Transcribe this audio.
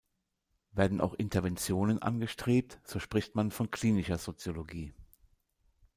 Werden auch Interventionen angestrebt, so spricht man von Klinischer Soziologie.